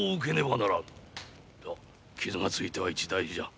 さ傷がついては一大事じゃ。